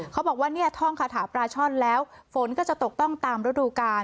เขาบอกว่าเนี่ยท่องคาถาปลาช่อนแล้วฝนก็จะตกต้องตามฤดูกาล